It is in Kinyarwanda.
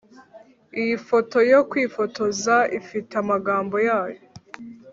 iyi foto yo kwifotoza ifite amagambo yayo.